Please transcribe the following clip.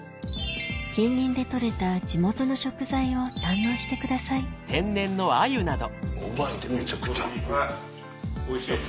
近隣で取れた地元の食材を堪能してくださいうまいて！